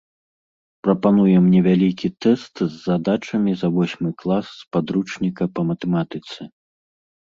Прапануем невялікі тэст з задачамі за восьмы клас з падручніка па матэматыцы.